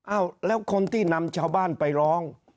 อ้าวแล้วคนที่นำชาวบ้านไปร้อง